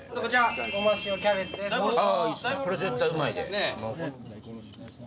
これ絶対うまいで。